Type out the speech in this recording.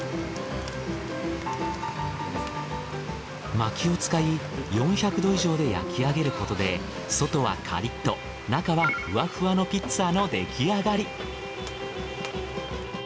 薪を使い４００度以上で焼き上げることで外はカリッと中はふわふわのピッツァの出来上がり。